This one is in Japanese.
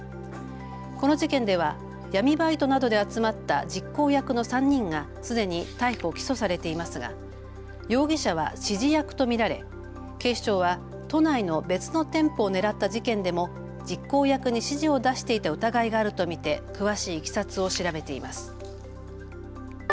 この事件では闇バイトなどで集まった実行役の３人がすでに逮捕・起訴されていますが容疑者は指示役と見られ警視庁は都内の別の店舗を狙った事件でも実行役に指示を出していた疑いがあると見て詳しいいきさつを調べています。